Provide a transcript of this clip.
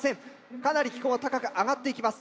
かなり機構が高く上がっていきます。